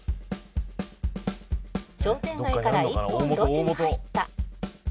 「商店街から１本路地に入った」